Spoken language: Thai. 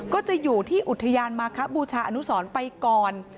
ก็จะอยู่ที่อุทยานมาคบูชาอนุสรไปก่อน